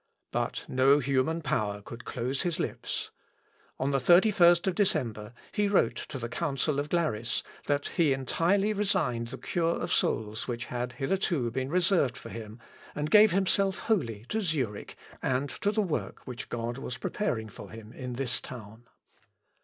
But no human power could close his lips. On the 31st December, he wrote to the council of Glaris, that he entirely resigned the cure of souls which had hitherto been reserved for him, and gave himself wholly to Zurich, and to the work which God was preparing for him in this town.